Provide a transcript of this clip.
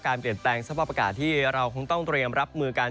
การเปลี่ยนแต่งทรัพย์ประกาศที่เราคงต้องเตรียมรับมือกัน